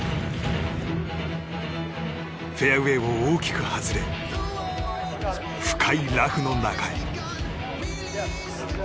フェアウェーを大きく外れ深いラフの中へ。